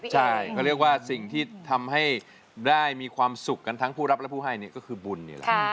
ใช่เขาเรียกว่าสิ่งที่ทำให้ได้มีความสุขกันทั้งผู้รับและผู้ให้ก็คือบุญนี่แหละ